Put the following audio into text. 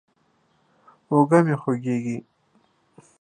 اوږه مې خوږېږي.